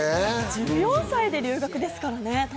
１４歳で留学ですからね。